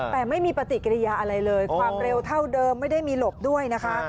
แต่ไม่มีปฏิกิริยาอะไรเลยความเร็วเท่าเดิมไม่ได้มีหลบด้วยนะคะ